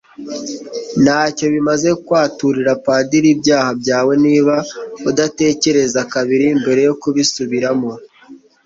Ntacyo bimaze kwaturira padiri ibyaha byawe niba udatekereza kabiri mbere yo kubisubiramo